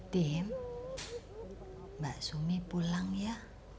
din mbak sumi pulang ya